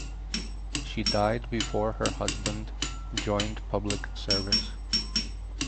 She died before her husband joined public service.